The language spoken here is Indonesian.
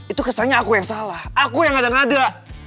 itu kesannya aku yang salah aku yang ngada ngada